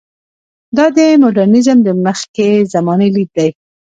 دا د مډرنیزم د مخکې زمانې لید دی.